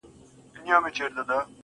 له دېيم کور چي شپېلۍ ورپسې پوُ کړه,